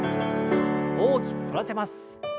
大きく反らせます。